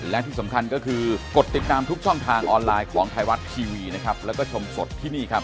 ไทยรัฐทีวีนะครับแล้วก็ชมสดที่นี่ครับ